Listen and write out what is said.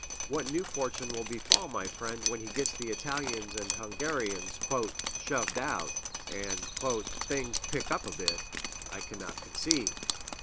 What new fortune will befall my friend when he gets the Italians and Hungarians "shoved out," and "things pick up a bit," I cannot conceive.